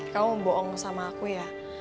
kamu bohong sama aku ya